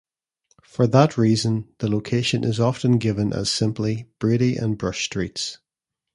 For that reason, the location is often given as simply Brady and Brush Streets.